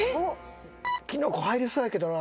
キノコ入りそうやけどな。